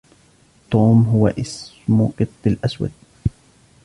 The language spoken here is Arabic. توم هو إسم قطي الأسود.